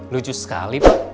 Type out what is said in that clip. lucu sekali pak